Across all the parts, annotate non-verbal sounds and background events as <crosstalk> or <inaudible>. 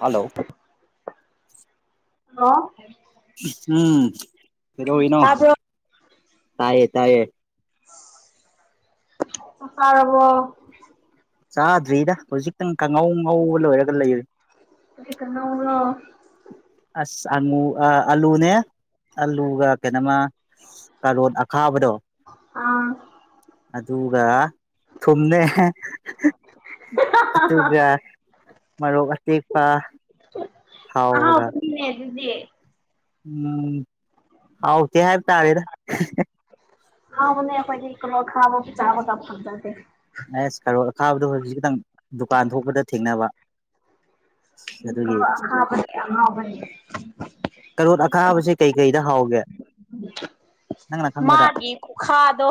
hello ꯍ ꯎꯝ ꯀꯩꯗꯧꯏꯅꯣ ꯇꯥꯕ꯭ꯔꯣ ꯇꯌꯦ ꯇꯌꯦ ꯇ ꯍꯥꯥ ꯍꯕꯣ ꯆꯥꯗ꯭ꯔꯤꯗ ꯍꯧꯖꯤꯛꯇꯪ ꯀꯥꯡꯉꯧ ꯉꯧꯕ ꯂꯣꯏꯔꯒ ꯂꯩꯔ ꯑꯗꯨ ꯀꯅꯥ ꯎꯅ ꯑꯁ ꯑꯉꯨ ꯑꯥꯂꯨꯅꯦ ꯑꯂꯨꯒ ꯀꯩꯅꯣꯃ ꯀꯂꯂꯣꯟ ꯑꯈꯥꯕꯗꯣ ꯑꯥ ꯑꯗꯨꯒ ꯊꯨꯝꯃꯦ ꯑꯗꯨꯒ ꯃꯔꯣꯛ ꯑꯇꯦꯛꯄ ꯊꯥꯎꯒ ꯗꯤꯑꯦ ꯎꯝ ꯍꯥꯎꯆꯦ ꯍꯥꯏꯕ ꯇꯥꯔꯦꯗ ꯑ ꯍ ꯀꯂꯣ ꯈꯥꯕꯣ ꯆꯥꯕ ꯆꯥ ꯈꯪꯗꯁꯦ ꯑꯁ ꯈꯔꯣ ꯑꯈꯥꯕꯗꯣ ꯍꯧꯖꯤꯛ ꯈꯤꯇꯪ ꯗꯨꯀꯥꯟ ꯊꯣꯛꯄꯗ ꯊꯦꯡꯅꯕ ꯑꯗꯨꯒꯤ <unintelligible> ꯍꯕꯅꯤ ꯀꯔꯣꯠ ꯑꯈꯥꯕꯁꯦ ꯀꯩꯀꯩꯗ ꯍꯥꯎꯒꯦ ꯅꯪꯅ ꯈꯪꯕꯗ ꯃꯥꯒꯤ ꯈꯨꯈꯥꯗꯣ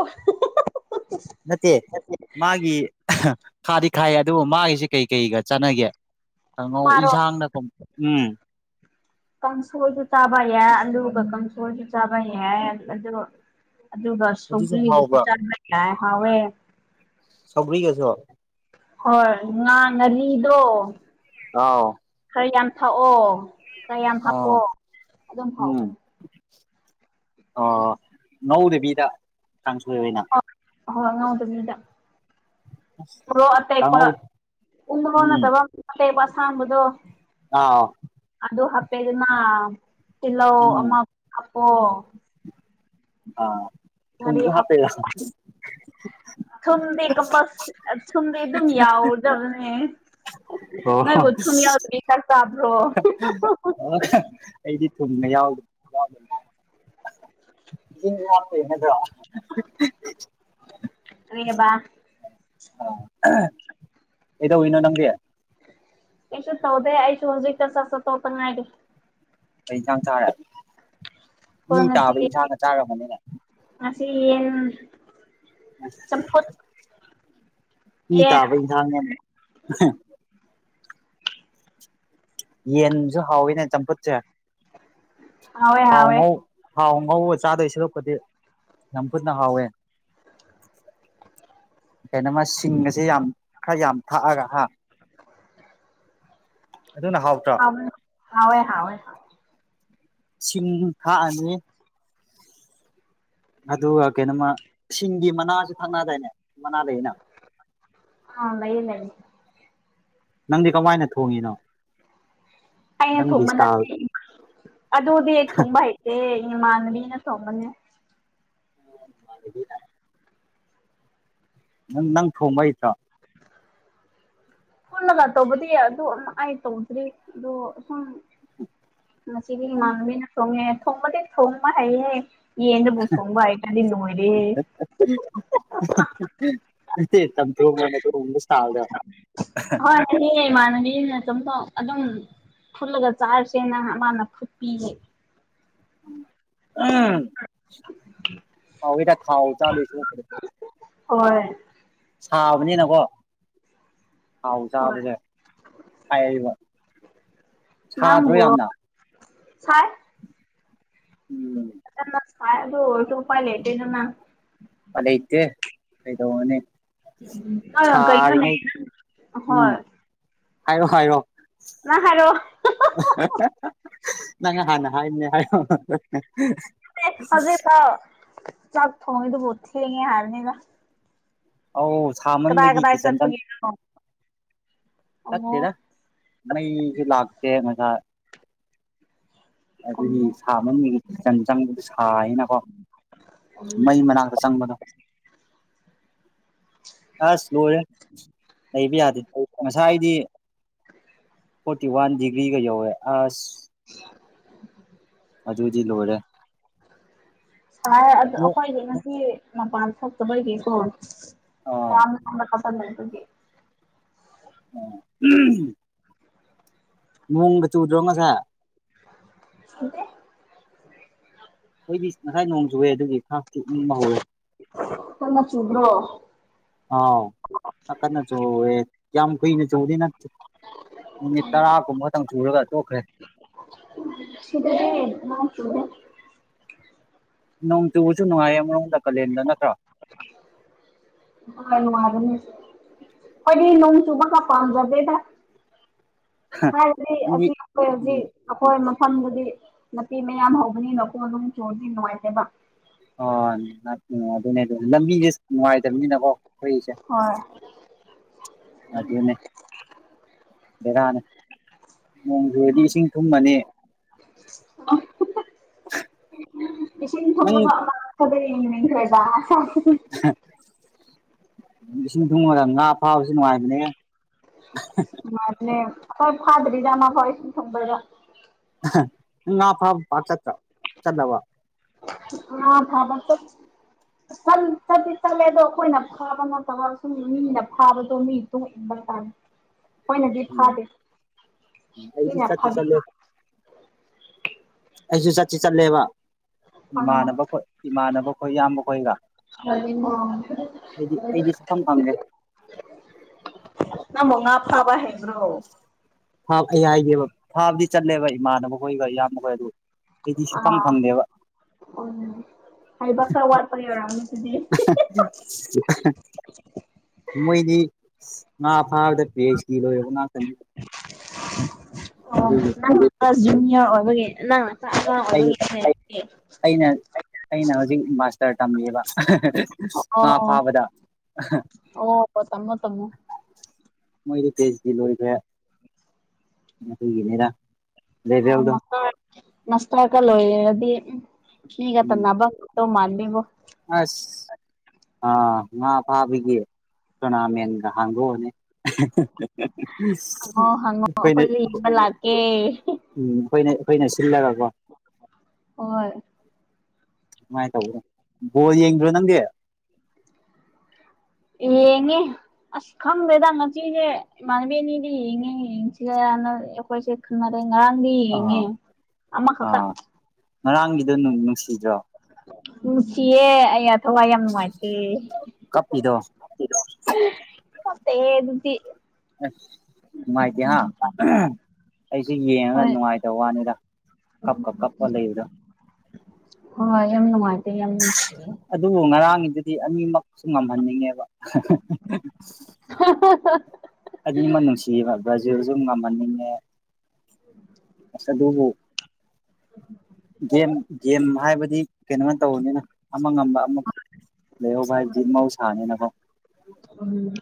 ꯅꯠꯇꯦ ꯃꯥꯒꯤ ꯈꯥꯗꯤ ꯈꯥꯏꯌꯦ ꯑꯗꯨ ꯃꯥꯒꯤꯁꯤ ꯀꯩ ꯀꯩꯒ ꯆꯠꯅꯒꯦ ꯀꯅ ꯃꯥꯔꯣ ꯏꯖꯍꯥꯟꯗꯀꯣ ꯎꯝ ꯀꯥꯡꯁꯣꯏꯁꯨ ꯆꯥꯕ ꯌꯥꯏ ꯑꯗꯨꯒ ꯀꯥꯡꯁꯣꯔꯁꯨ ꯆꯥꯕ ꯌꯥꯏ ꯑ ꯑꯗꯨꯒ ꯑꯗꯨꯁꯨ ꯁꯧꯒ꯭ꯔꯤꯒꯁꯨ ꯍꯥꯎꯕ꯭ꯔꯥ ꯆꯥꯕ ꯌꯥꯏ ꯍꯥꯎꯋꯦ ꯁꯑꯧꯒ꯭ꯀꯁꯨ ꯍꯣꯏ ꯉꯥ ꯉꯔꯤꯗꯣ ꯑꯥꯎ ꯈꯔ ꯌꯥꯝ ꯊꯥꯛꯑꯣ ꯈꯔ ꯌꯥꯝ ꯍꯥꯞꯄꯣ ꯑꯗꯨꯝ ꯐꯥꯎꯕꯅꯦ ꯑ ꯅꯧꯗꯕꯤꯗ ꯀꯥꯡꯁꯣꯏ ꯑꯣꯏꯅ ꯍ ꯉꯥꯎ ꯑꯗꯨ ꯃꯤꯗ ꯑꯇꯩ ꯀꯥꯡꯉꯧ ꯎꯅꯠꯇꯕ ꯀꯩꯕ ꯁꯥꯡꯥꯟꯕꯗꯣ ꯑꯥ ꯑꯗꯨ ꯍꯥꯄꯦꯗꯨ ꯃꯥ ꯄꯤꯂꯧ ꯎꯝ ꯑꯄꯣ ꯑꯥ ꯊꯁꯨ ꯍꯥꯄꯦꯔ ꯊꯨꯝꯗꯦ ꯀ ꯊꯨꯝꯗꯤꯦ ꯑꯗꯨꯝ ꯌꯥꯎꯗꯕꯅꯦ ꯑꯣ ꯅꯣꯏꯕꯨ ꯊꯨꯝ ꯌꯥꯎꯗꯕꯤ ꯆꯥꯛ ꯆꯥꯕ꯭ꯔꯣ ꯑꯣ ꯑꯩꯗꯤ ꯊꯨꯝꯕ ꯌꯥꯎꯗꯗ ꯑ ꯀꯔꯤꯕ <unintelligible> ꯑ ꯀꯩꯗꯣꯏꯩꯅꯣ ꯅꯪꯗꯤ ꯑꯩꯁꯨ ꯊꯧꯗ ꯑꯁꯨ ꯍꯧꯖꯤꯛ ꯀꯁ ꯇꯧꯉꯥꯏꯔꯦ ꯑꯩ ꯆꯥꯡ ꯔꯦ ꯃꯤ ꯈꯣꯏ ꯉꯁꯤ ꯇꯥꯕ ꯏꯟꯁꯥꯡꯅ ꯆꯥꯈ꯭ꯔꯔꯕꯅꯤꯅ ꯉꯁꯤ ꯌꯦꯟ ꯑꯝ ꯆꯝꯐꯨꯠ ꯄꯤ ꯌꯦꯟ ꯇꯥꯕ ꯋꯁꯥꯟꯤ ꯌꯦꯟꯁꯨ ꯍꯥꯎꯋꯤꯅꯦ ꯆꯝꯐꯨꯠꯁꯦ ꯍꯋꯦ ꯍꯋꯦ ꯍꯥꯎ ꯉꯧꯕ ꯆꯥꯗꯣꯏ ꯁꯂꯛꯄꯗꯤ ꯌꯥꯝ ꯐꯖꯅ ꯍꯥꯎꯋꯦ ꯀꯩꯅꯣꯃ ꯁꯤꯡ ꯑꯁꯦ ꯌꯥꯝ ꯈꯔ ꯌꯥꯝ ꯊꯥꯛꯑꯒ ꯍꯥ ꯑꯗꯨꯅ ꯍꯥꯎꯇ꯭ꯔꯣ ꯍꯣꯏ ꯍꯣꯏ ꯁꯤꯡ ꯊꯥꯛꯑꯅꯦ ꯑꯗꯨꯒ ꯀꯩꯅꯣꯃ ꯁꯤꯡꯒꯤ ꯃꯅꯥꯁꯨ ꯊꯛꯅꯗꯥꯏꯅꯦ ꯃꯅꯥ ꯂꯩꯌꯦꯅ ꯑ ꯂꯩꯅꯤ ꯂꯩꯅꯤ ꯅꯪꯗꯤ ꯀꯃꯥꯏꯅ ꯊꯣꯡꯉꯤꯅꯣ ꯑꯩꯅ ꯅꯪꯒꯤ ꯊꯨꯝꯕ ꯏꯁꯇꯥꯏꯜ ꯅꯠꯇꯦ ꯑꯗꯨꯗꯤ ꯊꯨꯝꯕ ꯍꯩꯇꯦ ꯏꯃꯥꯟꯕꯤꯅ ꯊꯣꯕꯅꯤ <unintelligible> ꯅꯪ ꯅꯪ ꯊꯣꯡꯝꯕꯇ ꯐꯨꯂꯒ ꯇꯧꯕꯗꯤ ꯑꯗꯨ ꯑꯃ ꯑꯩ ꯇꯧꯗ꯭ꯔꯤ ꯑꯗꯣ ꯁꯨꯝ ꯉꯗꯤ ꯏꯃꯥꯡꯕꯤꯅ ꯊꯣꯡꯉꯦ ꯊꯣꯡꯕꯗꯤ ꯊꯣꯡꯕ ꯍꯩꯌꯦ ꯌꯦꯅ ꯄꯨ ꯊꯣꯡꯕ ꯍꯥꯏꯇꯗꯤ ꯅꯣꯏꯔꯦ <unintelligible> ꯃꯣꯏ ꯑꯣꯏꯅ ꯊꯣꯡꯕꯥꯎꯔ ꯍꯣꯏ ꯃꯥꯅꯤ ꯅ ꯁꯝ ꯑꯗꯨꯝ ꯐꯨꯠꯂꯒ ꯆꯥꯔꯁꯦꯅ ꯃꯥꯅ ꯐꯨꯠꯄꯤꯌꯦ ꯎꯝ <unintelligible> ꯑꯥꯎ ꯏ ꯇ ꯈꯥꯎꯑꯣ ꯆꯥꯗꯁꯨ ꯑꯣꯏ ꯁꯥꯕꯅꯤꯅꯀꯣ ꯊꯥꯎ ꯍꯣꯏ ꯆꯥꯕꯁꯦ ꯍꯥꯏꯔꯤꯕ ꯁꯥꯗ꯭ꯔꯣꯏ ꯅꯪꯕꯨ ꯌꯥꯝꯅ ꯎꯝ ꯑ ꯑꯗꯨꯣ ꯑꯣꯔꯁꯨ ꯔꯄꯥꯥꯏ ꯂꯩꯗꯦꯗꯅ ꯐꯂꯇꯗꯅꯦ ꯍ ꯀꯩꯁꯨ ꯍꯣꯏ ꯍꯥꯏꯌꯣ ꯍꯥꯏꯌꯣ ꯉ ꯍꯥꯏꯔꯣ ꯅꯪ ꯍꯥꯟꯅ ꯍꯥꯏꯅꯦ ꯍꯥꯏꯌꯣ ꯍꯧꯖꯤꯦ ꯊꯒꯗ ꯄꯨꯊꯤ ꯍꯥꯔꯅꯦꯒ ꯑꯧ ꯁꯥꯃꯟꯕꯒꯤ ꯀꯤꯠꯆꯟꯗꯪ ꯆꯠꯄꯒꯤꯅꯣ ꯑꯃꯨꯛ ꯆꯠꯇꯦꯗ ꯃꯩꯁꯨ ꯂꯥꯛꯇꯦ ꯃꯁꯥ ꯑꯗꯨꯗꯤ ꯎꯝ ꯁꯥꯕ ꯐꯤꯆꯪ ꯆꯪꯕꯗꯨ ꯁꯌꯦꯅꯀꯣ ꯃꯩ ꯃꯅꯥꯛꯇ ꯆꯪꯕꯗꯣ ꯑꯁ ꯂꯔꯦ ꯂꯩꯕꯤ ꯌꯥꯗꯦ ꯍꯥꯏꯥꯏꯗꯤ ꯐꯣꯔꯇꯤ ꯋꯥꯟ ꯗꯤꯒ꯭ꯔꯤꯒ ꯌꯧꯋꯦ ꯑꯁ <inaudible> ꯍꯖꯤꯕꯨꯖꯤ ꯂꯣꯏꯔꯦ ꯍꯥꯏꯥꯏ ꯑꯗꯨ ꯑꯃꯨꯛ ꯑꯩꯈꯣꯏꯒꯤ ꯉꯁꯤ ꯃꯄꯥꯟ ꯊꯣꯛꯇꯕꯩꯒꯤꯀꯣ ꯑꯥ ꯌꯥꯝꯌꯥꯝ ꯀꯝꯕꯄꯒꯤ ꯎꯝ ꯅꯣꯡꯒ ꯆꯨꯗ꯭ꯔꯣ ꯉꯁꯦ ꯍꯗ ꯑꯩꯈꯣꯏꯗꯤ ꯉꯁꯥꯏ ꯅꯣꯡ ꯆꯨꯨꯔꯦ ꯑꯗꯨꯒꯤ ꯈꯥ ꯆꯅꯤꯡꯕ ꯍꯧꯔꯦ ꯎ꯭ꯔꯣ ꯑꯥꯎ ꯀꯗꯅ ꯆ ꯀꯌꯥꯝ ꯀꯨꯏꯅ ꯆꯣꯡꯗꯤ ꯅ ꯃꯤꯅꯤꯠ ꯇꯔꯥꯒꯨꯝꯕꯇꯪ ꯁꯨꯔꯒ ꯇꯣꯛꯈ꯭ꯔꯦ ꯁꯤꯗꯗꯤ ꯃꯥ ꯅꯣꯡ ꯆꯨꯕꯁꯨ ꯅꯨꯡꯉꯥꯏꯌꯦ ꯑꯃꯣꯗ ꯀꯥꯂꯦꯟꯗ ꯅꯠꯇ꯭ꯔꯥ ꯃꯥꯔ ꯃꯥꯔꯅꯤ ꯄ ꯅꯣꯡ ꯆꯨꯃ ꯀ ꯐꯥꯝꯖꯗꯦꯗ ꯍꯥꯏꯗꯤ ꯅꯪꯗꯤ ꯑꯁꯤ ꯑꯩꯈꯣꯏ ꯍꯧꯖꯤꯛ ꯎꯝ ꯑꯩꯈꯣꯏ ꯐꯐꯝꯗꯨꯗꯤ ꯅꯨꯄꯤ ꯃꯌꯥꯝ ꯍꯧꯕꯅꯤꯅ ꯅꯈꯣꯡ ꯑꯗꯨꯝ ꯆꯨꯔꯗꯤ ꯅꯨꯡꯉꯥꯏꯇꯦꯕ ꯑꯣ ꯑꯗꯨꯅꯦ ꯑꯗꯨ ꯅꯨꯡꯉꯥꯏꯇꯕꯅꯤꯅꯀꯣ ꯑꯩꯈꯣꯏꯁꯦ ꯍꯣꯏ ꯑꯗꯨꯗꯅꯦ ꯕꯦꯔꯥꯅꯦ ꯅꯣꯡꯖꯨꯨꯔꯗꯤ ꯏꯁꯤꯡ ꯊꯨꯝꯃꯅꯤ ꯏꯁꯤꯡ ꯅꯪ ꯊꯪꯗ ꯅꯤꯡꯈ꯭ꯔ ꯁ ꯏꯁꯤꯡ ꯊꯨꯡꯉꯒ ꯉꯥ ꯐꯥꯕꯁꯨ ꯅꯨꯡꯉꯥꯏꯕꯅꯦ ꯃꯅꯦ ꯑꯩꯣꯏ ꯐꯥꯗꯔꯤꯖꯥꯅꯥ ꯍꯣꯏꯁꯨ ꯊꯪꯝꯕ ꯄ ꯄ ꯆꯠꯠꯇ ꯆꯗꯕ ꯑ ꯊꯕ ꯇ ꯇꯗꯤ ꯇꯠꯂꯦ ꯑꯗꯣ ꯑꯩꯈꯣꯏꯅ ꯐꯥꯕ ꯅꯠꯇꯕ ꯁꯨꯝ ꯃꯤꯅ ꯐꯥꯕꯗꯣ ꯃꯤ ꯇꯨꯡ ꯏꯟꯕ ꯃꯣꯏꯅꯗꯤ ꯎꯝ ꯐꯥꯗꯦ ꯑꯩꯁꯨ ꯃꯤꯅ ꯆꯠꯇꯤ ꯐꯥꯕꯤ ꯆꯠꯂꯦ ꯑꯩꯁꯨ ꯆꯠꯁꯤ ꯆꯠꯂꯦꯕ ꯏꯃꯥꯟꯅꯕ ꯈꯣꯏ ꯏꯃꯥꯟꯅꯕ ꯈꯣꯏ ꯏꯌꯥꯝꯕ ꯈꯣꯏꯒ ꯑꯩꯗꯤ ꯑꯩꯗꯤ ꯁꯐꯝ ꯐꯪꯗꯦ ꯅ ꯃꯉꯥ ꯐꯥꯕꯍꯦ ꯑꯩ ꯍꯥꯏꯒꯦꯕ ꯐꯥꯕꯗꯤ ꯆꯠꯂꯦꯕ ꯏꯃꯥꯟꯅꯕ ꯍꯣꯏꯈ ꯏꯌꯥꯝꯕ ꯍꯣꯏ ꯑꯗꯨ ꯑꯩꯗꯤ ꯑ ꯁꯨꯐꯪ ꯐꯪꯗꯦꯕ ꯎ ꯍꯕ ꯁ ꯋꯥꯔꯄ ꯃꯣꯏꯅꯤ ꯃꯥ ꯐꯥꯗ ꯄꯦꯁ ꯂꯣ ꯑꯣ ꯏ ꯖꯨꯅꯤꯌꯔ ꯑꯣꯏꯕꯒ ꯅꯪ ꯑꯩ ꯆꯥꯛꯦ ꯑꯩꯅ ꯑꯩꯅ ꯍꯧꯖꯤꯛ ꯃꯥꯁꯇꯔ ꯇꯝꯃꯤꯕ ꯑꯣ ꯉꯥ ꯐꯥꯕꯗ ꯑꯣ ꯇꯃꯣ ꯇꯃꯣ ꯃꯣꯏꯗꯤ ꯐꯦꯁꯇ ꯂꯣꯏꯈ꯭ꯔꯦ ꯑꯩꯈꯣꯏꯒꯤꯅꯤꯔ ꯂꯩꯦꯗꯦꯜꯗ ꯅꯁ ꯍꯥꯏꯒꯂꯣꯗꯤꯒ ꯎꯝ ꯅꯕ ꯇꯧ ꯃꯥꯅꯤꯕꯨ ꯑ ꯉꯥ ꯐꯥꯕꯒꯤ ꯇꯣꯔꯅꯥꯃꯦꯟꯒ ꯍꯥꯡꯗꯣꯛꯑꯅꯤ ꯑꯩꯈꯣꯏꯅ ꯍꯪꯉꯣ ꯍꯪꯉꯣ ꯑꯩꯈꯣꯏ ꯂꯩꯡꯕ ꯂꯥꯛꯀꯦ ꯎꯝ ꯑꯩꯈꯣꯏꯅ ꯑꯩꯈꯣꯏꯅ ꯁꯤꯜꯂꯒꯀꯣ ꯍꯣꯏ ꯀꯃꯥꯏꯅ ꯇꯧꯕ ꯕꯣꯜ ꯌꯦꯡꯗ꯭ꯔꯣ ꯅꯪꯒꯤ ꯌꯦꯪꯏ ꯑꯁ ꯈꯪꯗꯦꯗꯉ ꯆꯦ ꯃꯅꯤꯕꯤꯅꯤꯗꯤ ꯌꯦꯉ ꯌꯦꯁꯤꯅ ꯑꯩꯈꯣꯏꯁꯦꯅꯔꯦ ꯉꯥꯔꯥꯡ ꯗꯤ ꯌꯦꯪꯏ ꯑꯥ ꯑꯥ ꯉꯔꯥꯡꯒꯤꯗꯣ ꯅꯨꯡꯁꯤꯗ꯭ꯔꯣ ꯅꯨꯪꯁꯤꯏꯌꯦ ꯑꯌꯥ ꯊꯋꯥ ꯌꯥꯝ ꯅꯨꯡꯉꯥꯏꯇꯦ ꯀꯞꯄꯤꯗꯣ ꯄꯛꯇꯦꯍꯦ ꯑꯗꯨꯗꯤ ꯑꯁ ꯅꯨꯡꯉꯥꯏꯇꯦ ꯍꯥꯥ ꯑꯩꯁꯦ ꯌꯦꯡꯉꯒ ꯍꯣꯏ ꯅꯨꯡꯉꯥꯏꯇꯕ ꯋꯥꯅꯤꯗ ꯀꯄ ꯀꯞ ꯀꯞꯄ ꯂꯩꯗ ꯍꯣꯌ ꯌꯥꯝꯅꯅꯨꯉꯥꯏꯇꯦ ꯃꯥ ꯌꯥꯝ ꯅꯨꯡꯁꯤ ꯑꯗꯨꯕꯨ ꯉꯔꯥꯡꯒꯤꯗꯨꯗꯤ ꯑꯅꯤꯃꯛꯁꯨ ꯉꯝꯍꯟꯅꯤꯡꯉꯦꯕ ꯑꯅꯤꯃꯛ ꯅꯨꯡꯁꯤ ꯃꯕ꯭ꯔꯥꯖꯦꯜ <inaudible> ꯒꯦꯝ ꯒꯦꯝ ꯍꯥꯏꯕꯗꯤ ꯀꯩꯅꯣꯃ ꯇꯧꯕꯅꯤꯅ ꯑꯃ ꯉꯝꯕ ꯑꯃ ꯂꯩꯍꯣꯚꯥꯏꯗꯤꯃꯎ ꯁꯅꯦ ꯅ ꯐꯣ ꯎꯝ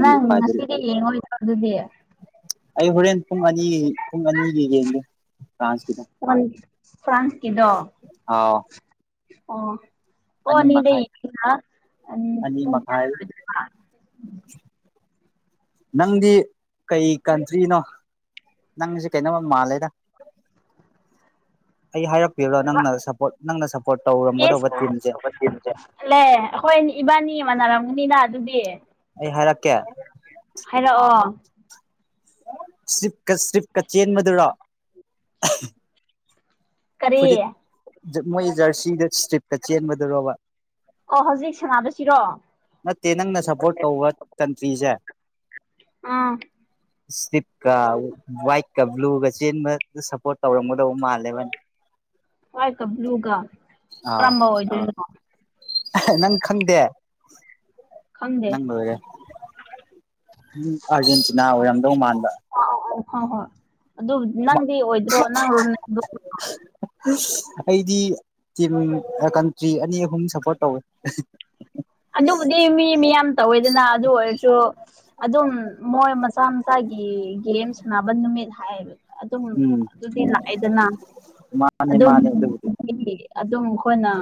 ꯅꯪ ꯉ ꯁꯤꯗꯤ ꯌꯦꯣꯏ ꯑꯗꯨꯗꯤ ꯑꯩ ꯍꯣꯔꯦꯟ ꯄꯨꯡ ꯑꯅꯤ ꯄꯨꯡ ꯑꯅꯤꯒꯤ ꯌꯦꯡꯒꯦ ꯐ꯭ꯔꯥꯟꯁꯀꯤꯗ ꯐ꯭ꯔꯥꯟꯁꯀꯤꯗ ꯑꯣ ꯑꯅꯤ ꯑꯣꯅꯤꯗ ꯃꯈꯥꯏ ꯌꯦ ꯑꯅꯤ ꯃꯈꯥꯏ <unintelligible> ꯅꯪꯗꯤ ꯀꯩ ꯀꯟꯇ꯭ꯔꯤꯅꯣ ꯅꯪꯁꯦ ꯀꯩꯅꯣꯝꯃ ꯃꯥꯜꯂꯦꯗ ꯑꯩ ꯍꯥꯏꯔꯛꯄ ꯇꯧꯔꯝꯒꯗꯧꯕ ꯇꯤꯝꯁꯦ ꯑꯩꯈꯣꯏ ꯏꯕꯥꯅꯤ ꯃꯥꯟꯅꯔꯝꯒꯅꯤꯅ ꯑꯗꯨꯗꯤ ꯑꯩ ꯍꯥꯏꯔꯛꯀꯦ ꯍꯥꯏꯔꯛꯑꯣ ꯁꯔꯤꯞꯀ ꯁ꯭ꯔꯤꯞꯀ ꯆꯦꯟ ꯃꯗꯨꯔ ꯀꯔꯤꯦ ꯃꯣꯏ ꯖꯔꯁꯤꯗ ꯏꯁꯇ꯭ꯔꯤꯞꯀ ꯆꯦꯟꯕꯗꯔꯣꯕ ꯑꯣ ꯍꯧꯖꯤꯛ ꯁꯥꯟꯅꯕꯁꯤꯔꯣ ꯅꯠꯇꯦ ꯅꯪꯅ ꯁꯞꯄꯣꯔꯠ ꯇꯧꯕ ꯀꯟꯇ꯭ꯔꯤꯁꯦ ꯑꯃ ꯏꯁꯞꯀ ꯋꯥꯏꯠꯀ ꯕ꯭ꯂꯨꯒ ꯆꯦꯟꯕꯗ ꯁꯞꯄꯣꯔꯠ ꯇꯧꯔꯝꯒꯗꯧꯕ ꯃꯥꯜꯂꯦꯕꯅ ꯍꯨꯒ ꯀ꯭ꯔꯝꯕ ꯑꯣꯏ ꯅꯪ ꯈꯪꯗꯦ ꯈꯪꯗꯦ ꯅꯪ ꯂꯣꯏꯔꯦ ꯎꯝ ꯑꯥꯔꯖꯦꯟꯇꯤꯅꯥ ꯑꯣꯏꯔꯝꯗꯧ ꯃꯥꯟꯕ ꯑꯧ ꯑꯧ ꯍꯣꯏ ꯍꯣꯏ ꯑꯗꯨ ꯅꯪꯗꯤ ꯑꯣꯏꯗ꯭ꯔꯣ ꯅꯪꯣ ꯑꯩꯗꯤ ꯇꯤꯝ ꯀꯟꯇ꯭ꯔꯤ ꯑꯅꯤ ꯑꯍꯨꯝ ꯁꯞꯄꯣꯔꯠ ꯇꯧꯋꯦ ꯑꯗꯨꯕꯨꯗꯤ ꯃꯤ ꯃꯤꯌꯥꯝ ꯇꯧꯋꯦꯗꯅ ꯑꯗꯨ ꯑꯣꯏꯔꯁꯨ ꯑꯗꯨꯝ ꯃꯣꯏ ꯃꯆꯥ ꯃꯆꯥꯒꯤ ꯒꯦꯝ ꯁꯥꯟꯅꯕ ꯅꯨꯃꯤꯠ ꯍꯥꯏꯌꯦꯕ ꯑꯗꯨꯝ ꯎꯝ ꯑꯗꯨꯗꯤ ꯂꯥꯛꯑꯦꯗꯅ ꯃꯥꯅꯦ ꯑꯗꯨꯝ ꯃꯥꯅꯦ ꯑꯗꯨꯕꯨꯗꯤ ꯑꯗꯨꯝ ꯈꯣꯏꯅꯥ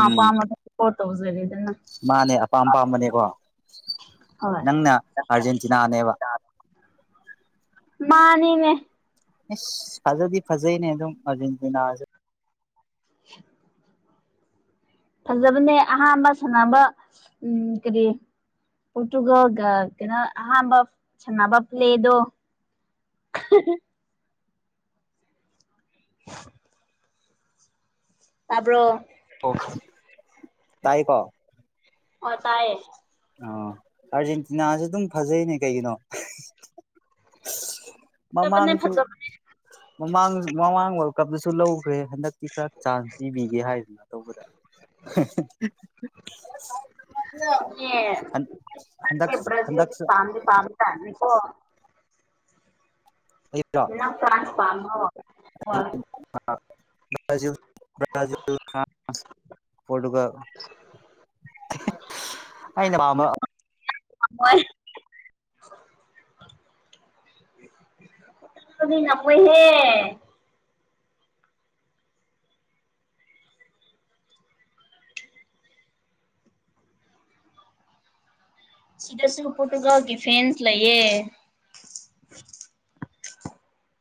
ꯎꯝ ꯐꯠꯇꯧꯖꯦ ꯃꯥꯅꯦ ꯑꯄꯥꯝ ꯑꯄꯥꯝꯕꯅꯦꯀꯣ ꯍꯣꯏ ꯅꯪꯅ ꯑꯥꯔꯖꯦꯟꯇꯤꯅꯥꯅꯦꯕ ꯃꯥꯅꯤꯅꯦ ꯏꯁ ꯐꯖꯗꯤ ꯐꯖꯩꯅꯦ ꯑꯗꯨꯝ ꯑꯔꯖꯦꯟꯇꯤꯅꯥꯁꯨ <inaudible> ꯐꯖꯕꯅꯦ ꯑꯍꯥꯟꯕ ꯁꯥꯟꯅꯕ ꯎꯝ ꯀꯔꯤ ꯄꯣꯇꯨꯒꯜꯒ ꯀꯩꯅꯣ ꯑꯍꯝꯕ ꯁꯅꯥꯕꯞ꯭ꯂꯦꯗꯣ <unintelligible> <unintelligible> ꯇꯕ꯭ꯔꯣ ꯇꯥꯏ ꯀꯣ ꯑꯥ ꯇꯥꯏꯌꯦ ꯑꯣ ꯑꯥꯔꯖꯦꯟꯇꯤꯅꯥꯁꯨꯦ ꯑꯗꯨꯝ ꯐꯖꯕꯅꯦ ꯃꯃꯥꯡꯁꯨ ꯐꯖꯕꯅꯦ ꯃꯃꯥꯡ ꯃꯃꯥꯡ ꯋꯥꯔꯜ ꯀꯞꯇꯁꯨ ꯂꯧꯈ꯭ꯔꯦ ꯍꯟꯗꯛꯇꯤ ꯈꯔ ꯆꯥꯟꯁ ꯄꯤꯕꯤꯒꯦ ꯍꯥꯏꯗ <unintelligible> ꯭ꯕꯔꯖꯤꯜꯗꯤ ꯄꯥꯝꯗꯤ ꯄꯥꯝꯕ ꯖꯥꯠꯅꯤꯀꯣ ꯑꯩꯔꯣ ꯅꯪ ꯐ꯭ꯔꯥꯟꯁ ꯐꯝꯕꯔꯣ <unintelligible> ꯄꯔꯣꯇꯨꯒꯜ ꯑꯩꯅ ꯄꯥꯝꯕ ꯃꯣꯏ <unintelligible> ꯉꯝꯃꯣꯏꯍꯦ ꯁꯤꯗꯁꯨꯒ ꯄꯨꯠꯇꯨꯒꯜꯒꯤ ꯐꯦꯟꯁ ꯂꯩꯌꯦ <inaudible>